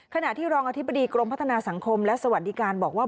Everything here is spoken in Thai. ขณะที่รองอธิบดีกรมพัฒนาสังคมและสวัสดิการบอกว่า